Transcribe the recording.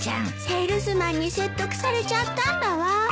セールスマンに説得されちゃったんだわ。